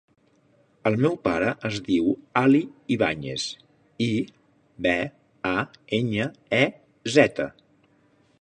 El meu pare es diu Ali Ibañez: i, be, a, enya, e, zeta.